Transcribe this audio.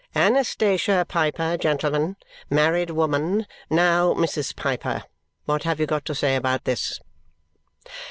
Anastasia Piper, gentlemen. Married woman. Now, Mrs. Piper, what have you got to say about this?